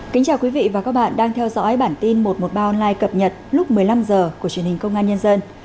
chào mừng quý vị đến với bản tin một trăm một mươi ba online cập nhật lúc một mươi năm h của truyền hình công an nhân dân